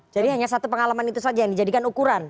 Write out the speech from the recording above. jadi hanya satu pengalaman itu saja yang dijadikan ukuran